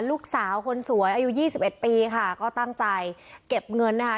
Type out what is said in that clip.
ลูกสาวคนสวยอายุยี่สิบเอ็ดปีค่ะก็ตั้งใจเก็บเงินนะคะ